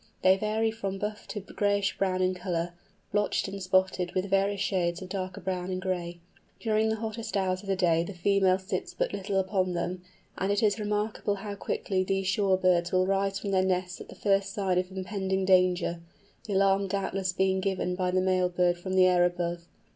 They vary from buff to grayish brown in colour, blotched and spotted with various shades of darker brown and gray. During the hottest hours of the day the female sits but little upon them, and it is remarkable how quickly these shore birds will rise from their nests at the first sign of impending danger—the alarm doubtless being given by the male bird from the air above.